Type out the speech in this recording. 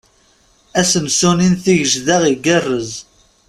Asensu-nni n Tigejda igarrez.